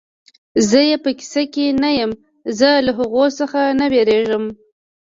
زه یې په کیسه کې نه یم، زه له هغو څخه نه وېرېږم.